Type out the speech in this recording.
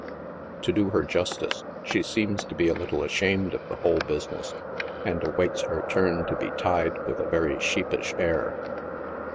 To do her jus tice, she seems to be a little ashamed of the whole business, and awaits her turn to be tied with a very sheepish air.